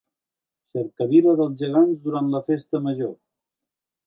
Cercavila dels gegants durant la Festa Major.